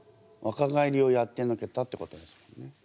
わか返りをやってのけたってことですもんね。